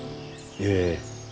ええ。